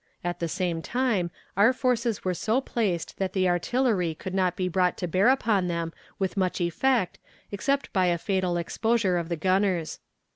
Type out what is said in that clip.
At the same time, our forces were so placed that the artillery could not be brought to bear upon them with much effect except by a fatal exposure of the gunners.